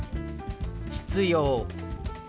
「必要」。